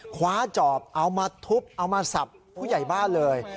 คว้าจอบเอามาทุบเอามาสับผู้ใหญ่บ้านเลย